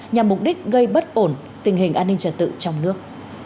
nhằm mục đích gây bất ổn tình hình an ninh trật tự trong nước